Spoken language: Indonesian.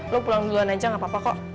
lo pulang duluan aja gak apa apa kok